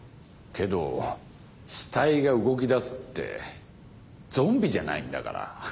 けど死体が動きだすってゾンビじゃないんだから。